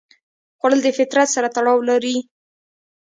خوړل د فطرت سره تړاو لري